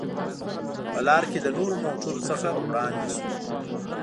په لار کې له نورو موټرو څخه وړاندې شوو.